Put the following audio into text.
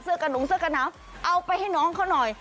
กระหนุงเสื้อกระหนาวเอาไปให้น้องเขาหน่อย